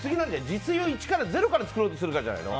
自炊を一からゼロから作ろうとするからじゃないの？